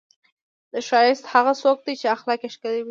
ښایسته هغه څوک دی، چې اخلاق یې ښکلي وي.